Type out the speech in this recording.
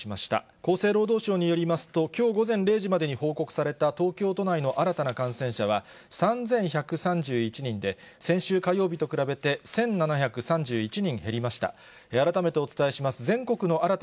厚生労働省によりますと、きょう午前０時までに報告された東京都内の新たな感染者は、３１３１人で、先週火曜日と比べて１７３１人減りました。